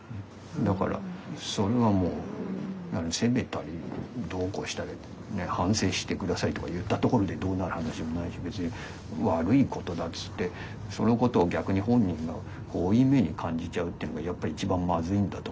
だからそれはもう責めたりどうこうしたり反省して下さいとか言ったところでどうなる話でもないし別に悪いことだっていってそのことを逆に本人が負い目に感じちゃうっていうのがやっぱり一番まずいんだと。